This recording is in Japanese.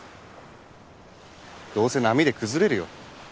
どうせ波で崩れるよ。